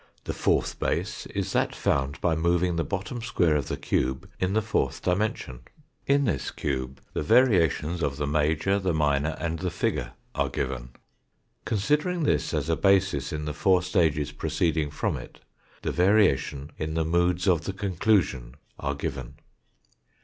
The fourth base is that found by moving the bottom square of the cube in the fourth dimension. In this cube the variations of the major, the minor, and the figure are given. Considering this as a basis in the four stages proceeding from it, the variation in the moods of the conclusion are given.